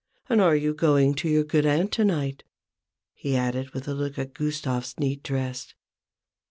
" And are you going to your good aunt to night ?" he added, with a look at Gustave's neat dress.